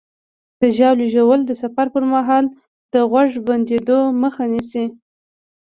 د ژاولې ژوول د سفر پر مهال د غوږ بندېدو مخه نیسي.